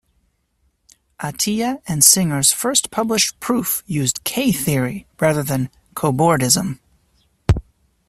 Atiyah and Singer's first published proof used K-theory rather than cobordism.